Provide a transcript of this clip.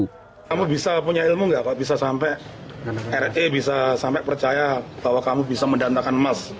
kamu bisa punya ilmu nggak kalau bisa sampai r e bisa sampai percaya bahwa kamu bisa mendatangkan emas